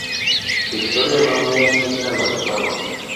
Su historia va unida siempre a la de Paros.